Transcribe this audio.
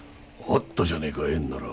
あったじゃねえか縁なら。